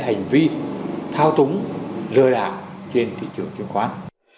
hành vi thao túng lừa đảo trên thị trường chứng khoán